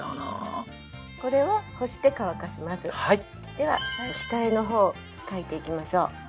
では下絵の方を描いていきましょう。